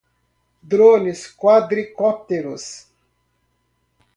Drones quadricópteros